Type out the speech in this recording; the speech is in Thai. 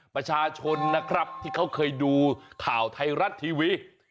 ประชาชนนะครับที่เขาเคยดูข่าวไทยรัฐทีวี